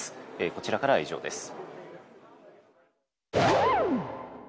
こちらからは以上です。